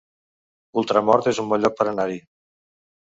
Ultramort es un bon lloc per anar-hi